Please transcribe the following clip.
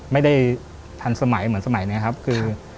ไม่ได้ทันสมัยเหมือนสมัยนี้ครับคือ